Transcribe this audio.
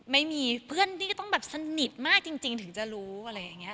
ไม่มีเพื่อนที่ก็ต้องแบบสนิทมากจริงถึงจะรู้อะไรอย่างนี้